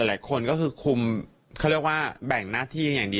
หลายคนก็คือคุมเขาเรียกว่าแบ่งหน้าที่อย่างดี